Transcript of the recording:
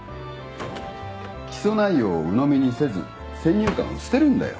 起訴内容をうのみにせず先入観を捨てるんだよ。